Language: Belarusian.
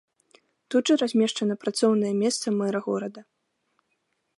Тут жа размешчана працоўнае месца мэра горада.